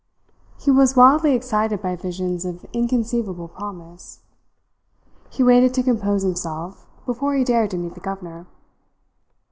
He was wildly excited by visions of inconceivable promise. He waited to compose himself before he dared to meet the governor.